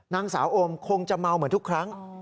นางสาวโอมคงจะเมาเหมือนทุกครั้ง